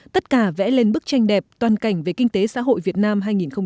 tất cả vẽ lên bức tranh đẹp toàn cảnh về kinh tế xã hội việt nam hai nghìn hai mươi